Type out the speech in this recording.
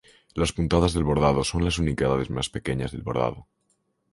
Las puntadas de bordado son las unidades más pequeñas de bordado.